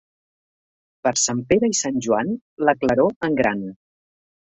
Per Sant Pere i Sant Joan, la claror en gran.